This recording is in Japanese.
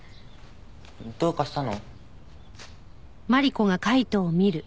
どうかしたの？